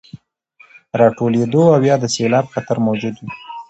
راټولېدو او يا د سيلاب خطر موجود وي،